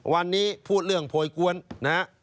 วันนี้พูดเรื่องโพยกวนนะฮะ